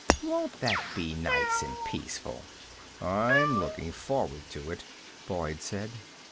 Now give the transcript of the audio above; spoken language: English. Won't that be nice and peaceful?" "I'm looking forward to it," Boyd said.